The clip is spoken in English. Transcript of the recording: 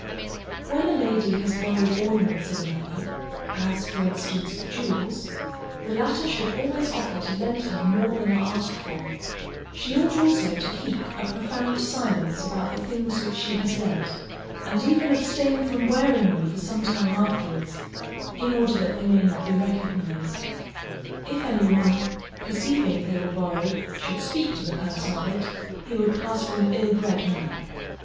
When a lady has borrowed ornaments of another, as for instance, jewels, the latter should always offer to lend her more than are asked for: she ought also to keep a profound silence about the things which she has lent, and even abstain from wearing them for some time afterwards, in order that they may not be recognised. If any one, perceiving they were borrowed, should speak to the person of it, he would pass for an ill bred man.